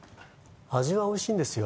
味はおいしいんですよ